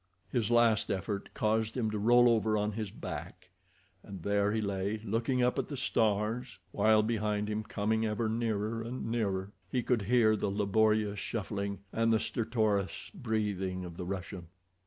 His last effort caused him to roll over on his back, and there he lay looking up at the stars, while behind him, coming ever nearer and nearer, he could hear the laborious shuffling, and the stertorous breathing of the Russian.